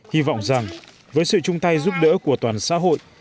hy vọng rằng với sự chung tay giúp đỡ của toàn xã hội